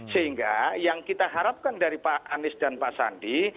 sehingga yang kita harapkan dari pak anies dan pak sandi